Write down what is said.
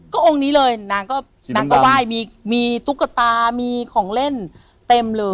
ก็องค์นี้เลยนางก็นางก็ไหว้มีตุ๊กตามีของเล่นเต็มเลย